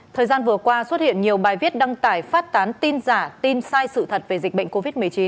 thời gian vừa qua xuất hiện nhiều bài viết đăng tải phát tán tin giả tin sai sự thật về dịch bệnh covid một mươi chín